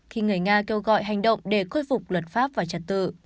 khi người nga kêu gọi hành động để khôi phục luật pháp và trật tự